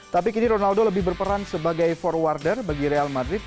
tapi kini ronaldo lebih berperan sebagai forwarder bagi real madrid